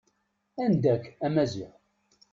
Anda-k a Maziɣ.